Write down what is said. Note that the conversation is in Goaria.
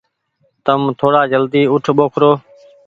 تم ٿوڙآ جلدي اوٺ ٻوکرو۔